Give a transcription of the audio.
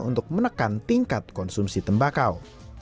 untuk menekan tingkat konsumsi tembakau